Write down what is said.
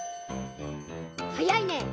はやいね！